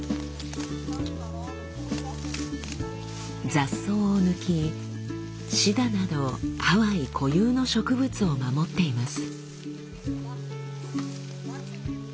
雑草を抜きシダなどハワイ固有の植物を守っています。